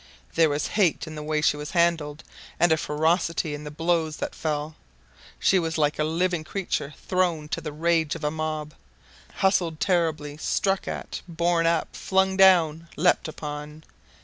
There was hate in the way she was handled, and a ferocity in the blows that fell. She was like a living creature thrown to the rage of a mob: hustled terribly, struck at, borne up, flung down, leaped upon.